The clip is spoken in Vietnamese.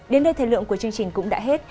đến đây thời lượng của chương trình cũng đã hết